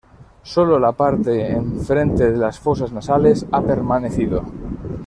Sólo la parte en frente de las fosas nasales ha permanecido.